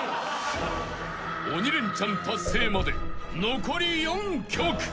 ［鬼レンチャン達成まで残り４曲］